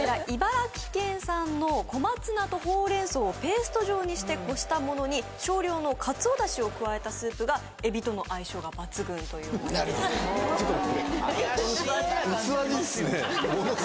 茨城県産の小松菜とほうれん草をペースト状にしてこしたものに少量のカツオ出汁を加えたスープがエビとの相性が抜群ということです